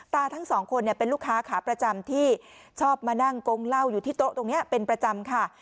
ทั้งสองคนเป็นลูกค้าขาประจำที่ชอบมานั่งกงเหล้าอยู่ที่โต๊ะตรงนี้เป็นประจำค่ะ